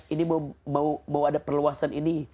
ini mau ada perluasan ini